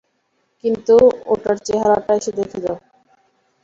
কিন্তু, ওটার চেহারাটা এসে দেখে যাও!